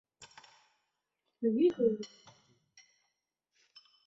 弗龙蒂尼昂德科曼热。